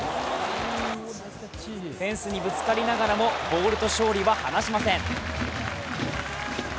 フェンスにぶつかりながらもボールと勝利は放しません。